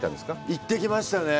行ってきましたね。